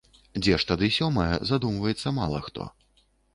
Дзе ж тады сёмае, задумваецца мала хто.